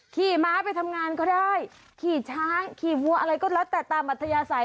ขี่ม้าไปทำงานก็ได้ขี่ช้างขี่วัวอะไรก็แล้วแต่ตามอัธยาศัย